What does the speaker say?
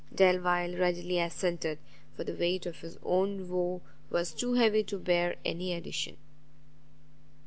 Delvile readily assented, for the weight of his own woe was too heavy to bear any addition.